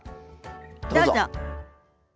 どうぞ。